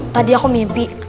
tadi aku mimpi